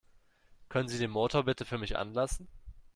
Können Sie den Motor bitte für mich anlassen?